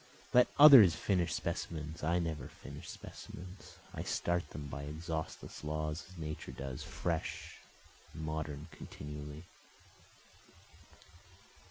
Let others finish specimens, I never finish specimens, I start them by exhaustless laws as Nature does, fresh and modern continually.